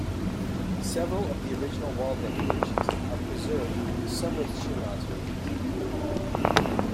Several of the original wall decorations are preserved, some with Chinoiseries.